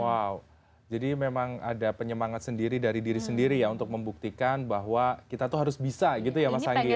wow jadi memang ada penyemangat sendiri dari diri sendiri ya untuk membuktikan bahwa kita tuh harus bisa gitu ya mas anggi ya